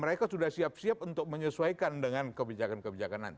mereka sudah siap siap untuk menyesuaikan dengan kebijakan kebijakan